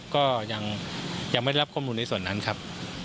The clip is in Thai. ก็ยังไม่ได้รับข้อมูลในส่วนนั้นครับ